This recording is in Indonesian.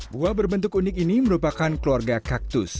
buah berbentuk unik ini merupakan keluarga kaktus